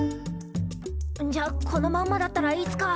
んじゃこのまんまだったらいつか。